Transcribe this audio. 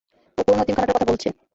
ও পুরোনো এতিমখানাটার কথা বলছে।